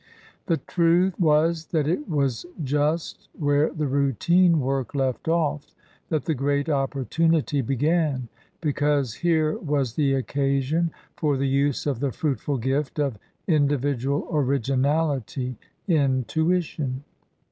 The truth was that it was just where the routine work left off that the great opportunity began ; because here was the occasion for the use of the fruitful gift of indi vidual originality in tuition.